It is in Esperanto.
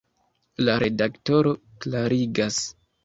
La redaktoro klarigas.